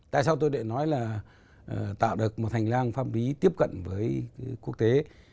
tại sao tôi lại nói là tạo được một hình năng pháp lý tiếp cận với quốc tế